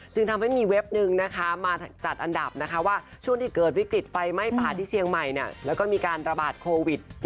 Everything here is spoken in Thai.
จึงทำให้มีเว็บนึงนะคะมาจัดอันดับนะคะว่าช่วงที่เกิดวิกฤตไฟไหม้ป่าที่เชียงใหม่แล้วก็มีการระบาดโควิด